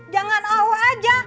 jangan awo aja